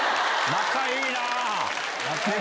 仲いいな！